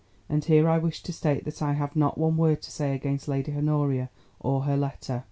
And here I wish to state that I have not one word to say against Lady Honoria or her letter.